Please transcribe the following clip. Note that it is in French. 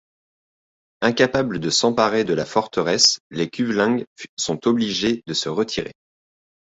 Incapable de s'emparer de la forteresse, les Kuvlungs sont obligés de se retirer.